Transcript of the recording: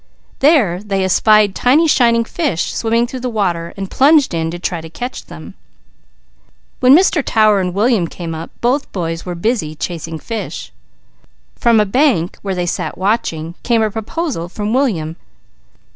There they espied tiny shining fish swimming through the water and plunged in to try to capture them. When Mr. Tower and William came up, both boys were busy chasing fish. From a bank where they sat watching came a proposal from William.